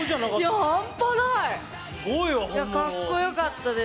いやかっこよかったです。